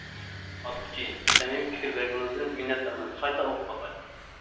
ئاتقۇچى، سەمىمىي پىكىر بەرگىنىڭىزدىن مىننەتدارمەن قايتا ئوقۇپ باقاي.